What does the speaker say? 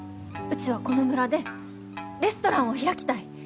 うちはこの村でレストランを開きたい！